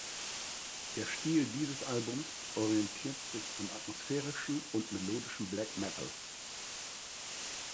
Der Stil dieses Albums orientiert sich am atmosphärischen und melodischen Black Metal.